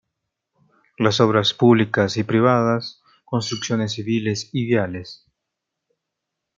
Las Obras públicas y privadas, construcciones civiles y viales.